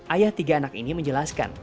ayah tiga anak ini menjelaskan